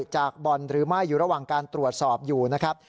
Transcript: จากบ่อนหรือไม่อยู่ระหว่างการตรวจสอบอยู่นะครับ